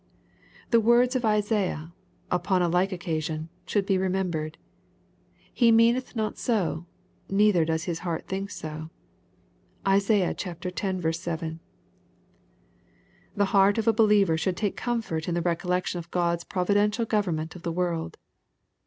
The words of Isaiah, upon a like occasion, should be remembered, '^He meaneth not so, neither doth his heart think so." {Isaiah x. 7.). The heart of a believer should take comfort in the recollection of God's providential government of the world.